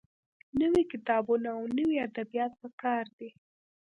نوي کتابونه او نوي ادبيات پکار دي.